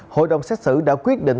hội đồng xét xử đã quyết định